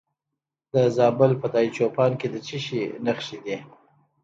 د زابل په دایچوپان کې د څه شي نښې دي؟